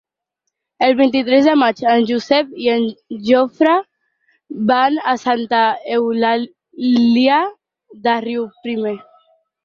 El vint-i-tres de maig en Josep i en Jofre van a Santa Eulàlia de Riuprimer.